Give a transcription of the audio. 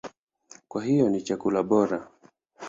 Kwa hiyo ni chakula bora.